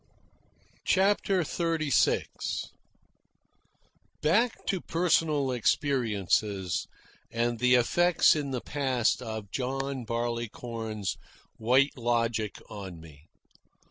CHAPTER XXXVI Back to personal experiences and the effects in the past of John Barleycorn's White Logic on me.